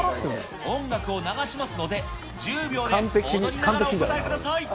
音楽を流しますので、１０秒で踊りながらお答えください。